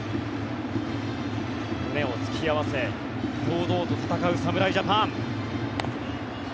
胸を突き合わせ堂々と戦う侍ジャパン。